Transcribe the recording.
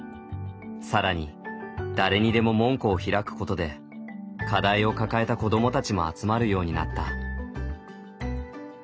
更に誰にでも門戸を開くことで課題を抱えた子どもたちも集まるようになった。